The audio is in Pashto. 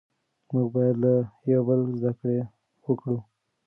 موږ بايد له يوه بل زده کړه وکړو.